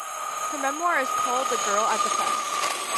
Her memoir is called The Girl At The Fence.